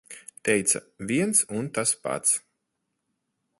Teica - viens un tas pats.